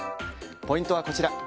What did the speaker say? ポイントはこちら。